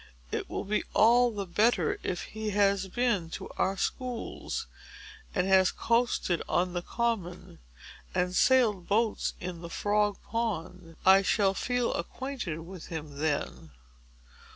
"It will be all the better if he has been to our schools, and has coasted on the Common, and sailed boats in the Frog Pond. I shall feel acquainted with him then."